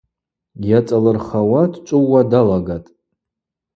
Йацӏалырхауа дчӏвыууа далагатӏ.